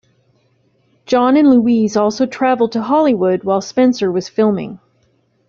John and Louise also traveled to Hollywood while Spencer was filming.